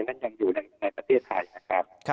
นั่นยังอยู่ในประเทศไทยนะครับ